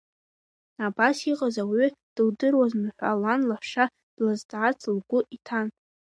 Абас иҟаз ауаҩы дылдыруазма ҳәа лан лаҳәшьа длызҵаарц лгәы иҭан.